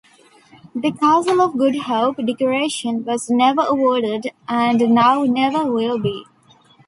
The Castle of Good Hope Decoration was never awarded and now never will be.